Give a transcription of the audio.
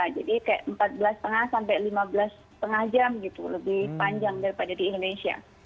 jadi kayak empat belas lima sampai lima belas lima jam gitu lebih panjang daripada di indonesia